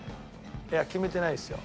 いや決めてないですよ。